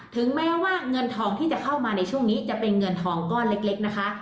ถึงแม้ว่าเงินทองที่จะเข้ามาในช่วงนี้จะเป็นเงินทองก้อนเล็กนะคะ